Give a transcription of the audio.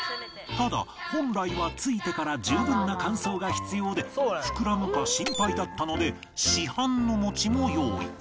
ただ本来はついてから十分な乾燥が必要で膨らむか心配だったので市販の餅も用意